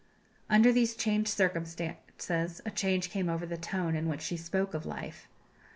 Under these changed circumstances a change came over the tone in which she spoke of life.